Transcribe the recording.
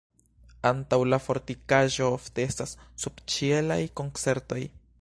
Antaŭ la fortikaĵo ofte estas subĉielaj koncertoj.